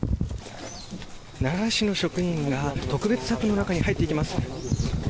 奈良市の職員が特別柵の中に入っていきます。